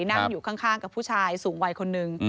นั่งอยู่ข้างกับผู้ชายสูงวัยคนนึง